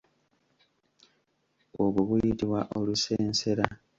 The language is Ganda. Obwo buyitibwa olusensera.